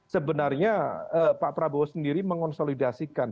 sebenarnya pak prabowo sendiri mengonsolidasikan